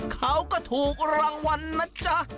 เขาก็ถูกรางวัลนะจ๊ะ